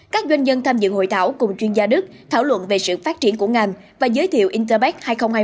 các doanh nhân tham dự hội thảo cùng chuyên gia đức thảo luận về sự phát triển của ngành và giới thiệu interpac hai nghìn hai mươi